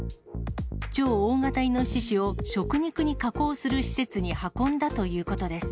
超大型イノシシを食肉に加工する施設に運んだということです。